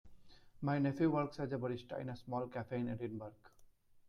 My nephew works as a barista in a small cafe in Edinburgh.